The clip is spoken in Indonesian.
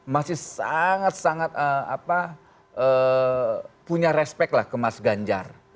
masih sangat sangat punya respect lah ke mas ganjar